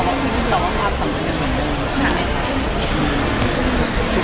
มีคนพวกนี้ยังได้เจอที่สำคัญไหม